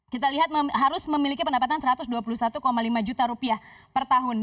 kita lihat harus memiliki pendapatan satu ratus dua puluh satu lima juta rupiah per tahun